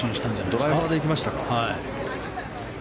ドライバーで行きましたか。